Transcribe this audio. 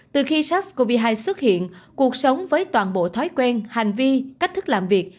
từ khi sars cov hai xuất hiện cuộc sống với toàn bộ thói quen hành vi cách thức làm việc